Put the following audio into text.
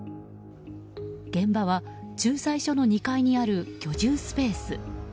現場は駐在所の２階にある居住スペース。